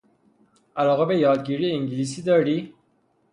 علاقه به یادگیری انگلیسی داری؟